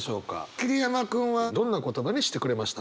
桐山君はどんな言葉にしてくれましたか？